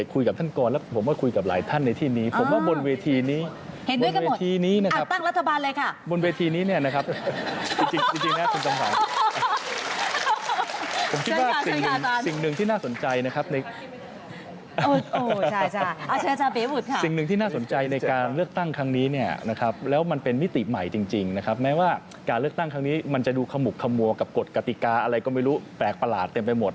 ผมคิดว่าแน่นอนที่สุดผมคิดว่าแน่นอนที่สุดผมคิดว่าแน่นอนที่สุดผมคิดว่าแน่นอนที่สุดผมคิดว่าแน่นอนที่สุดผมคิดว่าแน่นอนที่สุดผมคิดว่าแน่นอนที่สุดผมคิดว่าแน่นอนที่สุดผมคิดว่าแน่นอนที่สุดผมคิดว่าแน่นอนที่สุดผมคิดว่าแน่นอนที่สุด